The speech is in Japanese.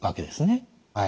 はい。